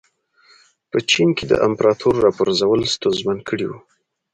په چین کې د امپراتور راپرځول ستونزمن کړي وو.